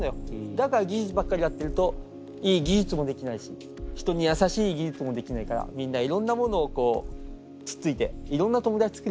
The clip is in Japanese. だから技術ばっかりやってるといい技術もできないし人に優しい技術もできないからみんないろんなものをこうつっついていろんな友だちつくると。